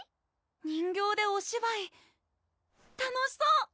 人形でお芝居楽しそう！